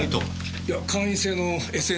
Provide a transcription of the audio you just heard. いや会員制のＳＮＳです。